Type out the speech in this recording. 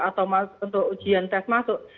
atau untuk ujian tes masuk